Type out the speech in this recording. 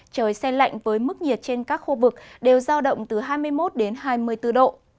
trời xe lạnh với mức nhiệt trên các khu vực đều giao động từ hai mươi một đến hai mươi bốn độ